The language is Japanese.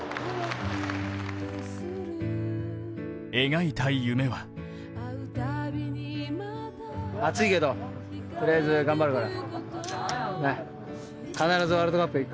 描いた夢は暑いけど、とりあえず頑張るから。